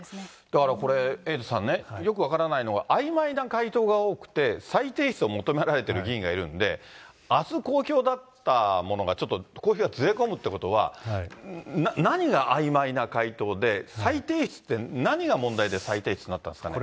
だからこれ、エイトさんね、よく分からないのは、あいまいな回答が多くて、再提出を求められている議員がいるんで、あす公表だったものが、ちょっと公表がずれ込むということは、何があいまいな回答で、再提出って、何が問題で再提出になったんですかね。